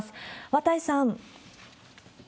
綿井さん。